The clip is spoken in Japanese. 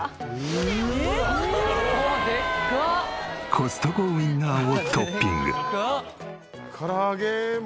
コストコウィンナーをトッピング。よし！